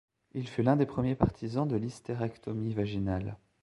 Il fut l’un des premiers partisans de l’hystérectomie vaginale.